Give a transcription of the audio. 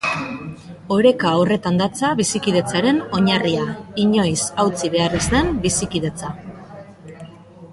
Oreka horretan datza bizikidetzaren oinarria, inoiz hautsi behar ez den bizikidetza.